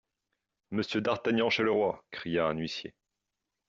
Monsieur d'Artagnan chez le roi ! cria un huissier.